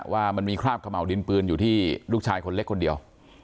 ว่ามันมีคราบขม่าวดินปืนอยู่ที่ลูกชายคนเล็กคนเดียว